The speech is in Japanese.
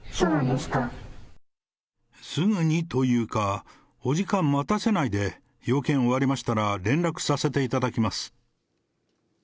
すぐにというか、お時間待たせないで、要件終わりましたら連絡させていただきます。